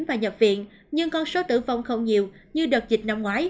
và nhập viện nhưng con số tử vong không nhiều như đợt dịch năm ngoái